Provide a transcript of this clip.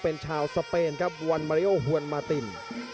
เป็นชาวสเปนครับวันมาริโอฮวนมาติน